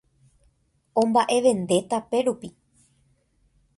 Omba'evende tape rupi